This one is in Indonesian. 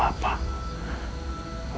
alhamdulillah lancar pak